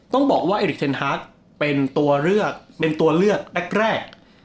ต้องบอกว่าเอริกเทนฮาร์กเป็นตัวเลือกแรก